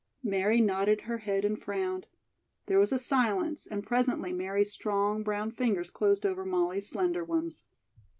Mary nodded her head and frowned. There was a silence, and presently Mary's strong, brown fingers closed over Molly's slender ones.